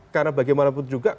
karena bagaimanapun juga